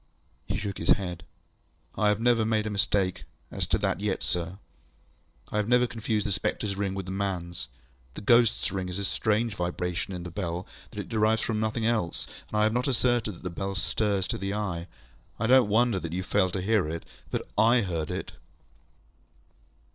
ŌĆØ He shook his head. ŌĆ£I have never made a mistake as to that yet, sir. I have never confused the spectreŌĆÖs ring with the manŌĆÖs. The ghostŌĆÖs ring is a strange vibration in the bell that it derives from nothing else, and I have not asserted that the bell stirs to the eye. I donŌĆÖt wonder that you failed to hear it. But I heard it.